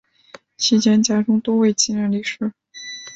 期间家中多位亲人离世。